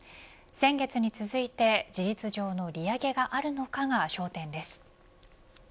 先月に続いて事実上の利上げがあるのかが焦点です。